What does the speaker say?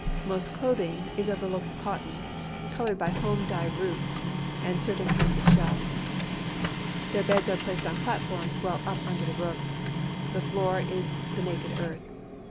Most cloth ing is of the local cotton, colored bv home dye roots and certain 150 COSTA RICA kinds of shells. Their beds are placed on platforms well up under the roof. The floor is the naked earth.